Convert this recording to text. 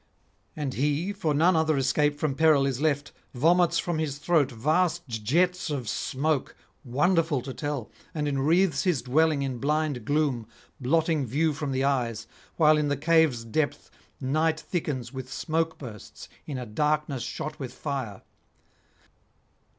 And he, for none other escape from peril is left, vomits from his throat vast jets of smoke, wonderful to tell, and enwreathes his dwelling in blind gloom, blotting view from the eyes, while in the cave's depth night thickens with smoke bursts in a darkness shot with fire.